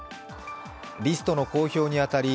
リストの公表にあたり